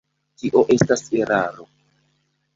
Tio estas eraro.